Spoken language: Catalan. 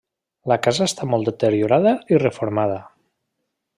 La casa està molt deteriorada i reformada.